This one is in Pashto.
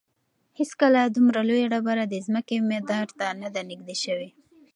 هیڅکله دومره لویه ډبره د ځمکې مدار ته نه ده نږدې شوې.